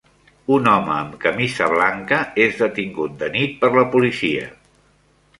Un home amb camisa blanca és detingut de nit per la policia.